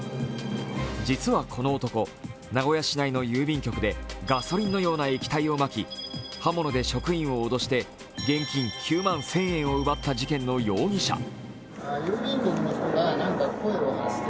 実はこの男、名古屋市内の郵便局でガソリンのような液体をまき刃物で職員を脅して現金９万１０００円を奪った事件の容疑者。